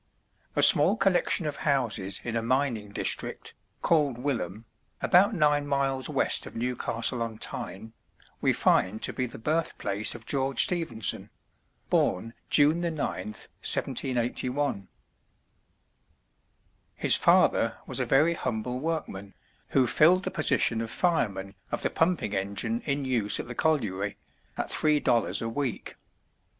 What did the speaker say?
A small collection of houses in a mining district, called Wylam, about nine miles west of Newcastle on Tyne, we find to be the birth place of George Stephenson, born June 9th, 1781. His father was a very humble workman, who filled the position of fireman of the pumping engine in use at the colliery, at three dollars a week.